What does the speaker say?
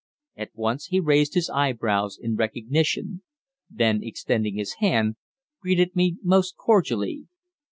At once he raised his eyebrows in recognition; then, extending his hand, greeted me most cordially.